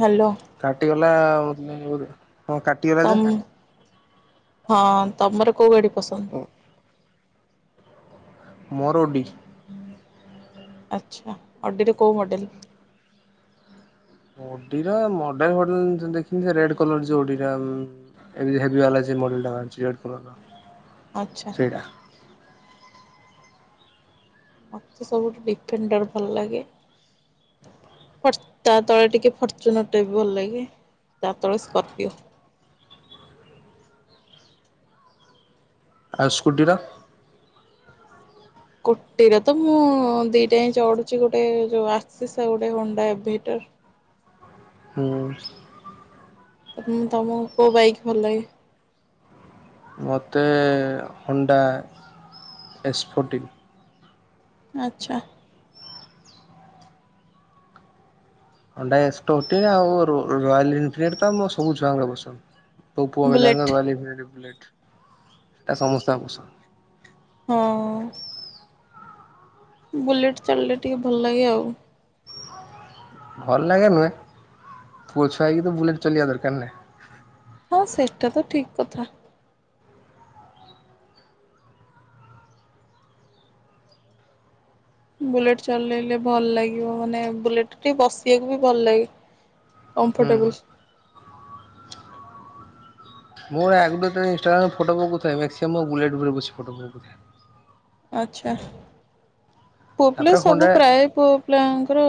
Hello ନ ମ ହଁ କାଟି ରାଜା ତମ ହଁ ତମର କୋଉ ଗାଡି ପସନ୍ଦ ମରୁଡି ଆଚ୍ଛା ଅଡିରେ କୋଉ ମଡେଲ ଓଡିର ମଡେଲ ମଡେଲ ଦେଖିନି ସେ ରେଡ କଲର ଯଉଲା ମଡେଲା ବା ଲର ଆଚ୍ଛା ମତେ ସବୁଠ ଡିଫେଣ୍ଡର ଭଲ ଲାଗେ ତା ତଳେ ଟିକେ ଫର୍ଚୁନର ଟା ବି ଭଲ ଲାଗେ ତା ତଳେ ସ୍କର୍ପିଓ ଆଉ ସ୍ସ୍କୁଟିର କୋଟିରେ ତ ମୁଁ ଦିଟା ହିଁ ଚଢୁଛି ଗୋଟେ ଯୋଉ ଆସିଷ ଗୋଟେ ହଣ୍ଡା ଏବେଟର ହଁ ତମ କୋଉ ବାଇକ୍ ଭଲ ଲାଗେ ମୋତେ ହଣ୍ଡା ଏପୁଟିକ ଆଚ୍ଛା ଅଣ୍ଡ ଆଉ ରୟାଲ ଏଫିଲ୍ଡ ତ ସବୁ ଛୁଆଙ୍କରେ ବସନ୍ଦ ତପୁଆ ବୁଲେଟ ବିଲରଲି ପଟ ଏ ସମସ୍ତେ ପଷ ହଁ। ବୁଲେଟ ଚାଲିଲେ ଟିକେ ଭଲ ଲାଗେ ଆଉ। ଭଲ ଲାଗେ ନୁହେଁ ପୁଅ ଛୁଆଇକି ତ ବୁଲେଟ ଚଲିବା ଦରକାର ନାହି। ହଁ ସେଇଟା ତ ଠିକ କଥା। ବୁଲେଟ ଚଲେଇଲେ ଭଲ ଲାଗିବ ମାନେ ବୁଲେଟ ଟ ବସିବାକୁ ବି ଭଲ ଲାଗେ। ହୁଁ। କମ୍ଫର୍ଟେବଲ ମୁଁ୍ର ଫଥାଏ ବ ଉପରେ ବ ଫଏ ଆଚ୍ଛା। ପୁଅ ପିଲା ତାପରେ ସବୁ ହଣ୍ଡା ପ୍ରାୟ ପୁଅ ପିଲାଙ୍କର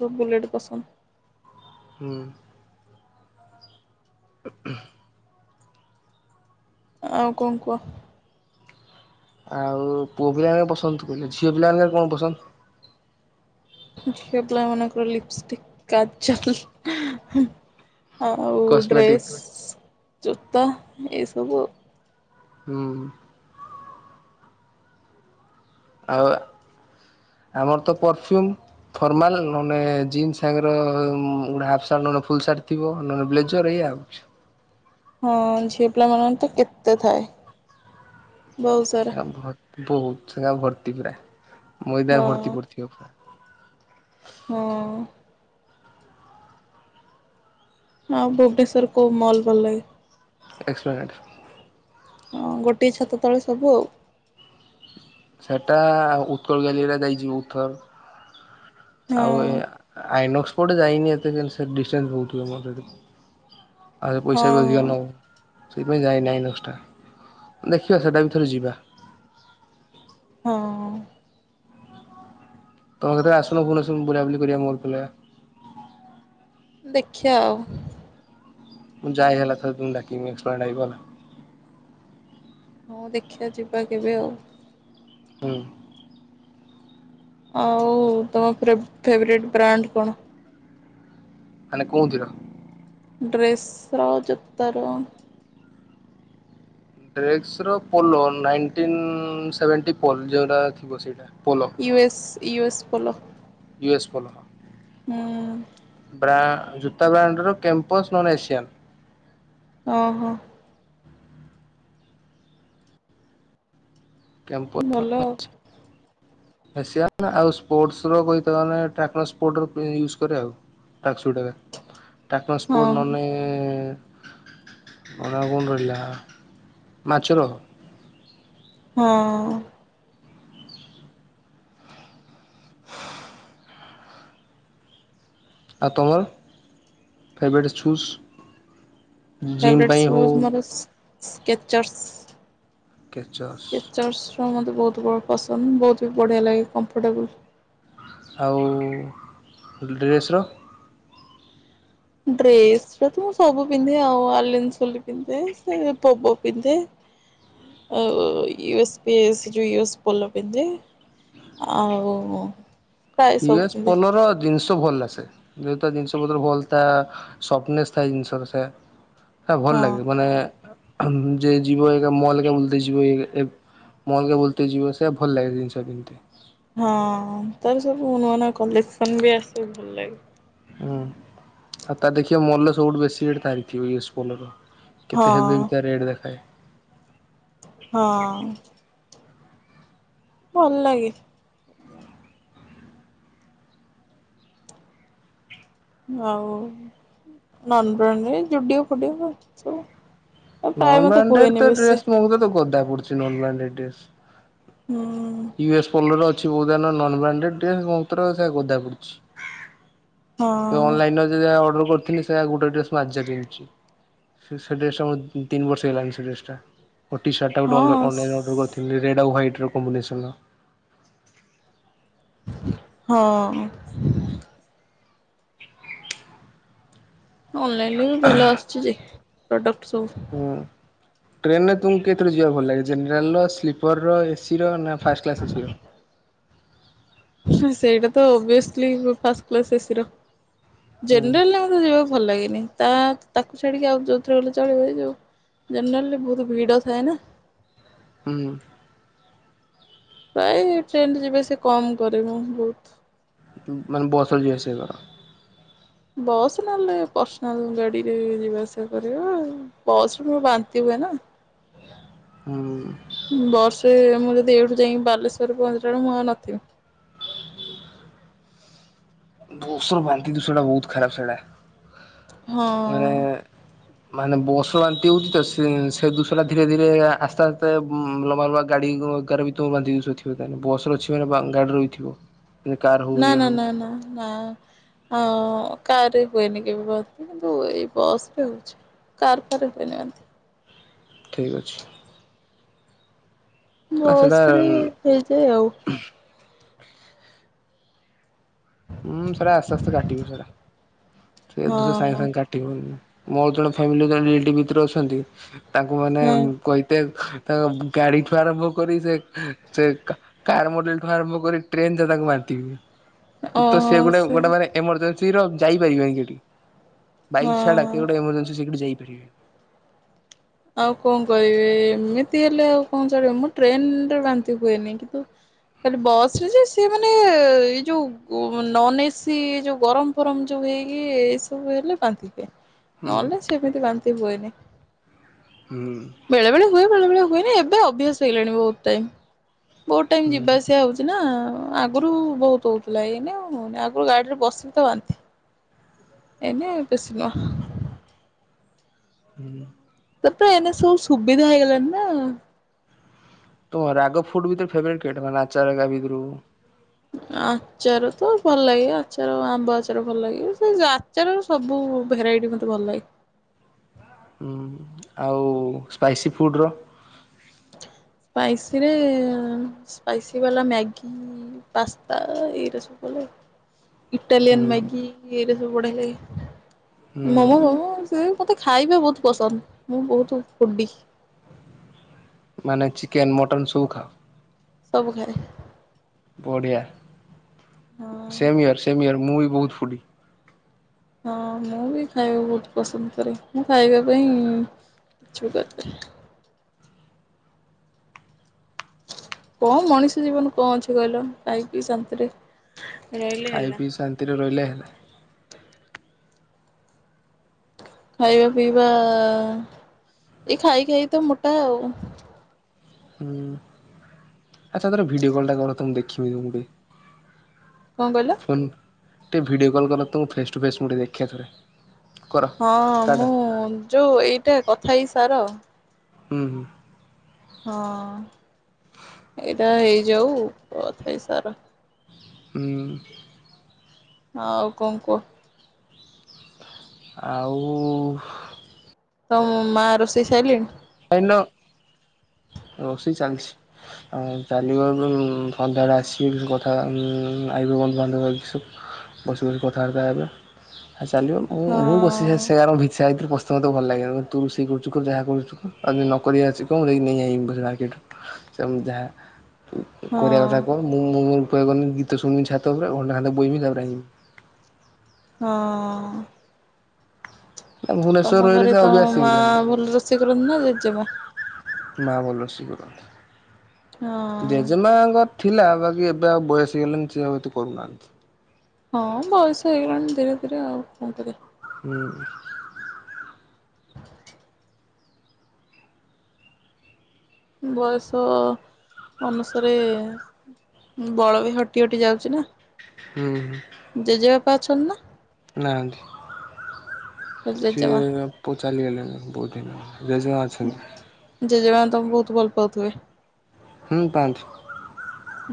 ସବୁ ବୁଲେଟ ପସନ୍ଦ। ହୁଁ। ଆଉ କଣ କୁହ। ଆଉ ପୁଅ ପିଲାମାନେ ପସନ୍ଦ କହିଲେ ଝିଅ ପିଲା କଣ ପସନ୍ଦ? ଝିଅ ପଲା ମନ କର ଲିପଷ୍ଟିକ କଚଲ ହୁଁ। ଆଉ କସ୍ମେଟିକ୍ ଡ୍ରେସ୍ ଜୋତା ଏସବୁ ହୁଁ। ଆଉ ଆମର ତ ପରଫ୍ୟୁମ୍ ଫର୍ମାଲ ନହେଲେ ଜିନ୍ସ ସାଙ୍ଗର ଗୋଟେ ହାଫ୍ ସାର୍ଟ ନହଲେ ଫୁଲ ସାର୍ଟ ଥିବ ନହେଲେ ବ୍ଲେଜର ଏଇ ଆଉ। ହଁ ଝିଅ ପିଲା ମାନରେ ତ କେତେ ଥାଏ ବହୁତ ସାରା ସେ ଭ ବହୁତ ସେଙ୍ଗା ଭତ୍ ଟି ପୁରା। ହଁ ମଇଦାନ ଭର୍ତି ପୁଥିବୁରା ହଁ। ହଁ ଭୁବନେଶ୍ୱର କଉ ମଲ ବଲ ଲାଗେ। ଏକ୍ସପରିମେଣ୍ଟ ହଁ ଗୋଟିଏ ଛାତ ତଳେ ସବୁ ଆଉ। ସେଟା ଉତ୍କଳ ଗାଲିା ଯାଇଛିିବ ଉତ୍ଥର ଆଉ ଏ ଆଇନସ ସେପଟେ ଯାଇନି ଏତେ କା ସେ ଡିଷ୍ଟାନ୍ସ ବହୁତ ହୁଏ ମୋର ସେ ଆ ହଁ ହଁ ପଇସା ବି ଅଧିକାର ହଁ ନଉ। ସେଇଥିପାଇଁ ଯାଇ ନାଇଁ ନକ୍ସଟା ଦେଖିବା ସେଟା ବିଥରେ ଯିବା। ହଁ। ତମ କେତରେ ଆସନ ଫୁଣିସନ ବୁଲାବୁଲି କରିବା ମୋର ପିଲ ଦେଖିଆଉ। ମୁଁ ଯାଇ ହେଲା ତଥମ ଡାକି ଆଲା ହଁ ଦେଖିବା ଯିବା କେବେ ଆଉ। ହୁଁ। ଆଉ ତମ ଫ୍ରେବ ଫେବ୍ରେଟ ବ୍ରାଣ୍ଡ କଣ। ମାନେ କୋହୁଥିର ଡ୍ରେସର ଜୋତାର ଯଉଟା ଥିବ ସେଇଟା। Polo. U S U S ପୋଲ ଶଲ ହୁଁ। ଜୁତା ବ୍ରାଣ୍ଡର କ୍ୟାମ୍ପସ୍ ନନ୍ ଏସିଆନ୍ ଓ ହୋ। କ୍ୟାମ୍ପସ୍ ଭଲ। ଏସିଆନ୍ ଆଉ ସ୍ପୋର୍ଟସର କହିଥା ମାନେ ଟ୍ରାକ୍ନର ସ୍ପୋର୍ଟର ୟୁଜ୍ କରେ ଆଉ ଟ୍ୟାକ୍ ସୁଟେ ଟ୍ୟାକ୍ନ ଆଉ ସ୍ପୋର୍ଟ ହଁ ନନେ। ଓ କଣ ରହିଲା ମାଛର ହଁ ଆ ତୁମର ଫେଭରଟ ଶୂଜ। ଫ୍ୟବିଟ ସଜ ମର। Skechers experiment. କେଚସ୍ ସ୍କେଚର୍ ଶ ତେ ବହୁତ ବ ପସନ୍ଦ ବହୁତ ବି ବଢ଼ିଆ ଲାଗେ କମ୍ଫର୍ଟେବଲ ଆଉ ଡ୍ରେସ୍ର ଡ୍ରେସ ତ ମୁଁ ସବୁ ପିନ୍ଧେ ଆଉ ଆଲି ପିନ୍ଧେ ପୋବ ପିନ୍ଧେ ଆଉୟ ପୋଲ ପିନ୍ଧେ ଆଉ ପ୍ରାୟ ସବୁ ଇଏ ପିନ୍ଧେ ପଲର ଜିନିଷ। ଭଲ୍ ଆସେ ଯେେତ ଜିନିଷ ପତ୍ର ଭଲଥା ସଫଟନେସ୍ ଥାଏ ଜିନିଷ ସେ ସେ ଭଲ ହଁ। ଲାଗେ ମାନେ ଯ ଯିବ ମଲ କେେ ବୁଲ ଯିବ ମଲ କେେ ବୁଲତ ଯିବ ସେଇ ଭଲ ଲାଗେ ଜିନିଷ ପିନ୍ ହଁ ତାର ସବୁ ନ ନୂଆ ନୂଆ କଲେକ୍ସନ ବି ଆସେ ଭଲ ଲାଗେ। ହୁଁ ଆଉ ତା ଦେଖିବା ମଲ ସବୁଠୁ ବେଶୀ ଧାରିଥିବ ୟ ପୋଲର ହଁ କେତେ ହେବେ ବି ତା ରେଟ୍ ଦେଖାଏ। ହଁ। ଭଲ ଲାଗେ। ଆଉ ଜୁଡିଓ ଫଡି। ନନ ବ୍ରାଣ୍ଡେ ତ ୍ରେସ ମୁଖ ଗଦ ପଡ଼ଚ ନ ଲ ରେ ଡେ ହୁଁ ୟୁ ଏସ୍ ପଢଲରେ ଅଛି। ବ ସେଦ ପୁଛି। ହଁ ଅନଲାଇନ ଯ ଅର୍ଡର। କରିଥିଲି ସେଇା ଗୋଟେ ଡ୍ରେସ୍ ମୁଁ ଆଜି ପିନ୍ଧଛି ସେ ଡ୍ରେସ୍ଟା ମୁଁ ତିନ ବର୍ଷ ହେଇଲାଣି ସେ େସ ଟା। ଟି ସାର୍ଟା ଗେ ହଁ। ଅନ ଅର୍ର କରିଥିଲ ରେ ଆ ହ୍ୱାଇଟ। କମ୍ବିନେସନ୍। ହଁ। ଅନଲାଇନରେ ବି ଭଲ ଆସୁଛି ଯେ ଟୋଟା ଆଠ ସୁ ଟ୍ରେନ ରେ ତୁମକୁ କେତେଥଳେ ଯିବା ଭଲ ଲାଗେ ଜେନେରାଲ ର ସ୍ପର ର ସିରୋ ନା ଫାଷ୍ଟ୍ କ୍ଲାସରେ ଶିରୋ ସେଇଟା ଓଵିୟଶଲି ଫାସ୍ କ୍କିସ ଏହି ର ହୁଁ ଜନରଲ କମ୍ ଯ ଭଲ ଲାଗନି ତା ତାକୁ ଛାଡ଼ିକି ଆଉ ଯେଉଁଥିରେ ଗଲେ ଚଳିବ ଯେଉଁ ଜେନେରାଲି ବହୁତ ଭିଡ଼ ଥାଏ ନା। ହୁଁ। ପ୍ରାୟ ଟ୍ରେନ ଯିବେ ସେ କମ କରରେବୁ ବହୁତ ମାନେ ବସ ରେ ଯିଵା ଆସିବା କର। ବସ୍ ନହେଲେ ପର୍ସନାଲ ଗାଡିରେ ଯିବା ଆସିବା କରିବା ବସରେ ମୋର ବାନ୍ତି ହୁଏ ନା। ହୁଁ। ବର୍ଷେ ମୁଁ ଏଇଠୁ ଯାଇକି ବାଲେଶ୍ବରରେ ପହଞ୍ଚିଲାଵେଳୁ ମୁଁ ନଥିଵି। ଦୋଷର ବାନ୍ତି ଦୁ ସେଇଟା ବହୁତ ଖରାପ ସେଇଟା ମାନେ ହଁ। ମାନେ ବସ ବାନ୍ତି ହଉଚଛି ତ ସେ ଦୋଷ ଟା ଧୀରେ ଧୀରେ ଆସ୍ତେ ଆସ୍ତେ ଲମ୍ବା ଲମ୍ବା ଗାଡି ବି ତ ବାନ୍ତି ଦଥିବ ବସ ର ଅଛି ମାନେ ଗାଡି ରଥିବ। କର ହଉ ନା ଏ ନା ହଉ। ନା ନା ନା କାର ରେ ହୁଏନି କେବେ ଵାନ୍ତି କିନ୍ତୁ ଏଇ ବସ ରେ ହଉଛି କାର ଫାର ରେ ହୁଏନି ବାନ୍ତି। ଠିକ ଅଛି। ନା ସେଇଟା ମସରେ ହେଇଯା ଆଉ। ହୁଁ ସାରା ଆସ୍ତେ ଆସ୍ତେ କାଟିଵେ ସାରା ସେ ଦୁ ସାଙ୍ଗେ ହଁ ସାଙ୍ଗେ କାଟିବ ମୋ ଜଣେ ଫାମିଲି ଜଣେ ରିଟି ଭିତରେ ଅଛନ୍ତି। ତାଙ୍କୁ ମାନେ ହଁ କହିତେ ତାଙ୍କ ଗାଡି ଠୁଆରମ୍ଭ କରି ସେ ସେ କାର ମଡଲଠୁ ଆରମ୍ଭ କରି ଟ୍ରେନ ଯ ତାକୁ ମାରିଥିବ। ତ ସେ ଗୁଟେ ଗୋଟେ ଏମର୍ଯ୍ୟସ୍ ସ୍ର ଯାଇପାରିବନ କିଠି ବାଇକ ଛଡା ହଁ। କେଉୋଟ ଏମଜନ୍ସି ସେଠ ଯାଇି ପାରିବେ। ଆଉ କଣ କହିବେ ଏମିତି ହେଲେ ଆଉ କଣ ଚଳିବ ମୁଁ ଟ୍ରେନରେ ବାନ୍ତି ହୁଏନି କିନ୍ତୁ ଖାଲି ବସ ରେ ଯେ ସିଏ ମାନେ ଏଇ ଯୋଉ ନନ ଏସି ଯୋଉ ଗରମ ଫରମ ଯୋଉ ହେଇକି ଏ ସବୁ ହେଲେ ବାନ୍ତି ହୁଏ। ହୁଁ ନହେଲେ ସେମିତି ବାନ୍ତି ହୁଏନି। ହୁଁ ବେଳେ ବେଳେ ହୁଏ ବେଳେ ବେଳେ ହୁଏନ ଏବେ ଅଭ୍ୟାସ ହେଇଗଣି ବହୁତ ଟାଇମ। ବହୁତ ଟାଇମ ଯିବା ହୁଁ ଆସିବା ହଉଛି ନା। ଆଗରୁ ବହୁତ ହଉଥିଲା ଏଇନେ ଆଉ ହେଉନି ଆଗରୁ ଗାଡିରେ ବସି ବିିଥା ବାନ୍ତିଏଇନେ ବେଶୀ ନୁହଁ। ହୁ୍। ତ ତ ଏନ ସବୁ ସୁବିଧା ହେଇଗଲାଣି ନା ତମ ରାଗ ଫୁଡ ଭତରେ ଫେବରାଈଟି କେଟ ମାନ ନା ଆଚାରାଗା ଭିତରୁ ଆଚାର ତ ଭଲ ଲାଗେ ଆଚାର ଆମ୍ବ ଆଚାର ଭଲ ଲାଗେ ସେ ଆଚାର ସବୁ ଭେରାଇଟି ମୋତେ ଭଲ ଲାଗେ ହ ଆଉ ସ୍ପାଇସି ଫୁଡ଼୍ରର ସ୍ପାଇସିରେ ସ୍ପାଇସି ବାଲା ମ୍ୟାଗି ପାସ୍ତା ଏଇରା ସବୁ ଭଲ ଲାଗେ। ଇଟାଲିିୟନ୍ ହୁଁ ମ୍ୟାଗି। ପଡ଼ିଲ। ହୁଁ ମାମ ବାବୁ ଅସ। ମତେ ଖାଇବା ବହୁତ ପସନ୍ଦ ମୁଁ ବହୁତ ଫୁଡି। ମାନେ ଚିକେନ୍ ମଟନ୍ ସଖା। ସବୁ ଖରେ।। କଡ଼ିଆ। ହଁ। ସେମୟର ସେମୟର। ମୁଁ ବି ବହୁତ ଫୁଟି। ହଁ ମୁଁ ବି ଖାଇବାକୁ ବହୁତ ପସନ୍ଦ କରେ ମୁଁ ଖାଇବା ପାଇଁ କିଛି ବି କରିଥା। କଣ ମଣିଷ ଜୀବନ କଣ ଅଛି କହିଲ କାହିଁକି ଶାନ୍ତିରେ ଖାଇ ପିଇ ଶାନ୍ତିରେ ରହିଲେ ହେଲେ। ଖାଇବା ପିଇବା ଏଇ ଖାଇ ଖାଇ ତ ମୋଟା ଆଉ ହୁଁ ଆଚ୍ଛା ତର ଭିଡିଓ କଲ୍ଟା କ ତ ମୁଁ ଦେଖିବି ତମକୁଠ। କଣ କହିଲ? ଟିକେ ଭିଡ଼ିଓ କଲ୍ କଲା ତ ମୁଁ ଫେସ୍ ଟୁ ଫେସ୍ ମୁଁ ଟିକେ ଦେଖେଥରେ। ହଁ ମୁଁ ଯୋଉ ଏଇଟା କଥା ହେଇ ସାର। ହୁଁ ହୁଁ। ହଁ ଏଇଟା ହେଇଯାଉଥାାଇ ସାରା। ହୁଁ। ହଁ କୁମ କୁ। ଆଉ। ତ ମୁ ମା ରୋଷେଇଷାଇଲି। ଏ ରୋଷେଇ ଚାଲିଛି ଚାଲିବ ଏ ସନ୍ଧ୍ୟାଳେ ଆସିବେୁ କଥା ଆଇବେ ବନ୍ଧୁବାନ୍ଧବ ସବୁ ବସି ବସିକ କଥାବାର୍ତ୍ତା ହେବେ। ଚାଲିବ ମୁଁ ହଁ ମୁଁ ବସି ଭ ସମୋତେ ଭଲ ଲାଗେ ତୁ ରୋଷେଇ କରୁ ଯା କରୁଛୁ। ଆଉ ନକ ଆଛି କଣି ନେଇି ଯାହା। ୁ କରିବା କଥା ହଁ। କ ମୁ ମୁୁର କରନି ଗୀତ ଶୁଣିବି ଛାତ ଉପରେ। ଘଟା ବୋଇମି ତାପରେ ଆଇି ହଁ। ଭୁବନେଶ୍ୱର ତମ ରହି ରହି ଘରେ ସେ ତ ଅଭ୍ୟାସ ମା ହେଇଗଲାଣି ଭଲ ରୋଷେଇ କରନ୍ତି ନା ଜେଜେମା। ମା ବଲ ଶ କରନ୍ତ। ହଁ ଜେଜେମା ଆଗତ। ଥିଲା ବାକି ଏବେ ଆଉ ବୟସ ହେଇଗଲାଣି ସେଏ ହଏତ କରୁନାହାନ୍ତି। ହଁ ବୟସ ହେଇଗଲାଣି ଧୀରେ ଧୀରେ ଆଉ କଣ କରିବା। ହୁଁ। [inaudible] ବୟସ ଅନୁସାରେ ବଳ ବି ହଟି ହଟି ଯାଉଛି ନା। ହୁଁ ହୁଁ ପା ଅଛନ୍ତି ନା ନାହାନ୍ତି। ଖାଲି ସିଏ ଜେଜେମା? ପ ଚାଲିଗଲେ ନି ବହୁତ [unintelligible] ଜେଜମା ଜେଜେମା ଅଛନ୍ତି। ତମକୁ ବହୁତୁ ଭଲ ପାଉଥିବେ। ହୁ ପାନ୍ତି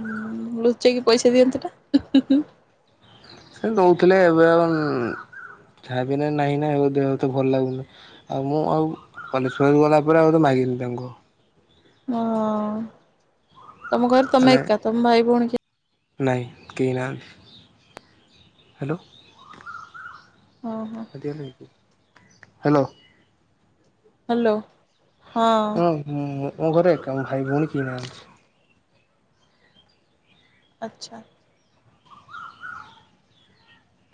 ହୁଁ ଲୁଚେଇକି ପଇସା ଦିଅନ୍ତୁ ନା ସେ ଦଉଥିଲେ ଏବେ ଆଉ ଯହା ପି ନାହିଁ ନା ଦେହତେ ଭଲ ଲାଗୁନି ଆଉ ମୁଁ ଆଉ କଲେଜ ଫ ଗଲା ପରେ ଆଉ ମାଗିନି ତାଙ୍କୁ। ହଁ। ତମ ଘରେ ମାନେ ତମେ ଏକା ତମ ଭାଇ ଭଉଣୀ କି ନାଇଁ କେଖି ନାହାନ୍ତି ହ୍ୟାଲୋ ହଁ ହଁ। ହ୍ୟାଲୋ। ହ୍ୟାଲୋ। ହଁ [unintelligible] ମୋ ଘରେ ଏକା ମୋ ଭାଇ ଭଉଣୀ କେଇ ନାହାନ୍ତି। ଆଚ୍ଛା।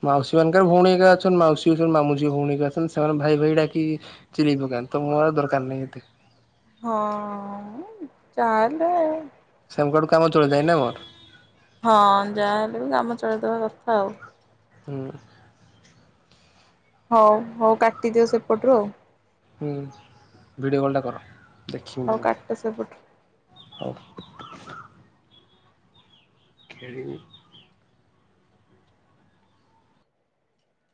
ମାଉସୀ ମାନଙ୍କର ଭଉଣୀ ଏକା ଅଛନ୍ତି ମାଉସୀ ଅଛନ୍ତି ମାମୁ ଝିଅ ଭଉଣୀ ଅ ସେମାନେ ଭାଇ ଭାଇ ଡାକି ଚିଲେଇ ପକାନ୍ତି ତ ଦରକାର ନାହିଁ ଏତେ। ହଁ ଯାହେଲେ ତା କଠୁ କାମ ଚଥାଏ ନା କଣ ହଁ ଯାହାହେଲେ ବି କାମ ଚଳେଇଦବା କଥା ଆଉ। ହୁଁ। ହଉ ହଉ କାଟିଦିଅ ସେପଟରୁ ଆଉ। ହୁଁ ଭିଡିଓ କଲ ଟା କର। ହୋଉ କାଟା ସେପଟରୁ। ଯୋଉ। ଖେଳିବି